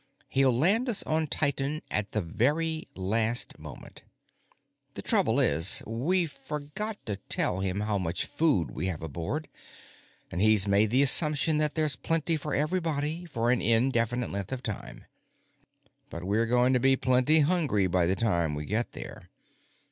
He'll land us on Titan at the very last moment. The trouble is, we forgot to tell him how much food we have aboard, and he's made the assumption that there's plenty for everybody, for an indefinite length of time. But we're going to be plenty hungry by the time we get there.